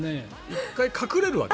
１回、隠れるわけ。